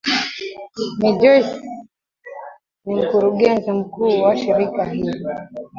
n joyce ni mkurugenzi mkuu wa shirika hilo